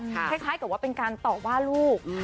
คล้ายกับว่าเป็นการต่อว่าลูก